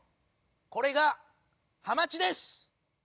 これがハマチです！